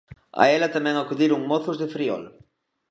A ela tamén acudiron mozos de Friol.